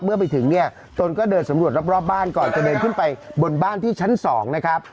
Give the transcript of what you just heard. เมื่อไปถึงเนี่ยตนก็เดินสำรวจรอบบ้านก่อนจะเดินขึ้นไปบนบ้านที่ชั้น๒นะครับ